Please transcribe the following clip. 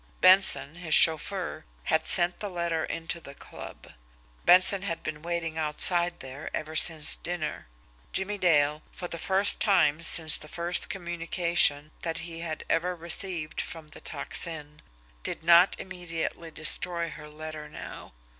Benson, his chauffeur, had sent the letter into the club. Benson had been waiting outside there ever since dinner. Jimmie Dale, for the first time since the first communication that he had ever received from the Tocsin, did not immediately destroy her letter now.